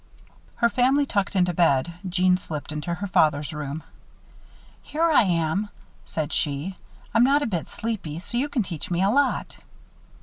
Her family tucked into bed, Jeanne slipped into her father's room. "Here I am," said she. "I'm not a bit sleepy, so you can teach me a lot."